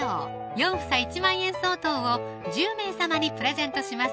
４房１万円相当を１０名様にプレゼントします